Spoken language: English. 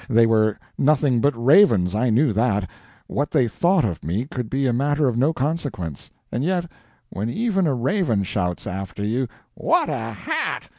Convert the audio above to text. They were nothing but ravens I knew that what they thought of me could be a matter of no consequence and yet when even a raven shouts after you, "What a hat!"